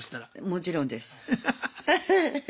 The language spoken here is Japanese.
もちろんです。